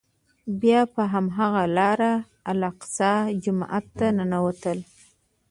بیا په هماغه لاره الاقصی جومات ته ننوتل.